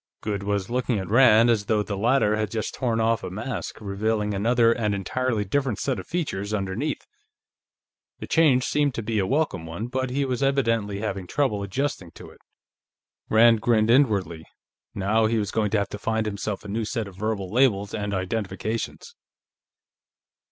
Goode was looking at Rand as though the latter had just torn off a mask, revealing another and entirely different set of features underneath. The change seemed to be a welcome one, but he was evidently having trouble adjusting to it. Rand grinned inwardly; now he was going to have to find himself a new set of verbal labels and identifications.